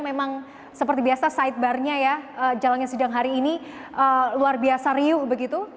memang seperti biasa sidebarnya ya jalannya sidang hari ini luar biasa riuh begitu